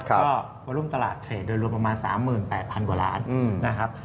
ก็มาร่วมตลาดเทรดโดยรวมประมาณ๓๘๐๐กว่าล้านนะครับ